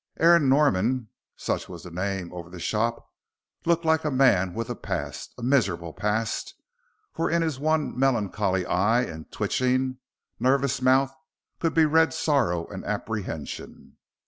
Aaron Norman such was the name over the shop looked like a man with a past a miserable past, for in his one melancholy eye and twitching, nervous mouth could be read sorrow and apprehension.